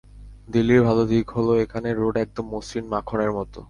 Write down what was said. দিল্লির ভালো দিক হলো এখানের রোড একদম মসৃণ, মাখনের মতো।